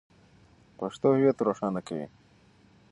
پښتو هویت روښانه کوي.